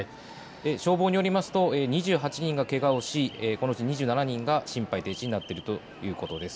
消防によりますと２８人がけがをし、このうち２７人が心肺停止になっているということです。